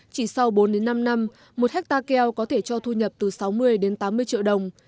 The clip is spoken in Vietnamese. chỉ sau bốn đến năm năm một hectare keo có thể cho thu nhập từ sáu mươi đến tám mươi triệu đồng